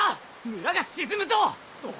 村が沈むぞ！